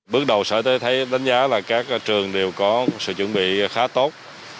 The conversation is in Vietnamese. bước đầu sở y tế thấy đánh giá là các trường đều có sự chuẩn bị khá tốt